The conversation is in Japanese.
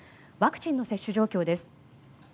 ワクチンの接種状況です。